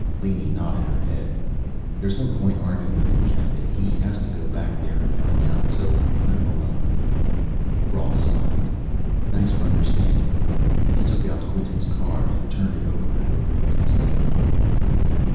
Laney nodded her head. "There's no point arguing with him, Kanaday. He has to go back there and find out, so let him alone." Rolf smiled. "Thanks for understanding." He took out Quinton's card and turned it over and over in his hand.